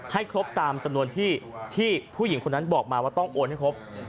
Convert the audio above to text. ให้ครบตามจำนวนที่ผู้หญิงคนนั้นบอกมาว่าต้องโอนให้ครบ